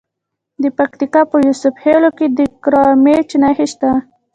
د پکتیکا په یوسف خیل کې د کرومایټ نښې شته.